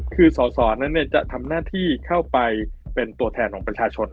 คือสอสอนั้นจะทำหน้าที่เข้าไปเป็นตัวแทนของประชาชน